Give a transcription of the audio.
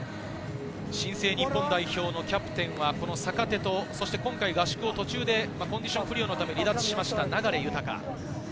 新生日本代表のキャプテンは坂手と、そして今回、合宿を途中でコンディション不良のため離脱しました、流大。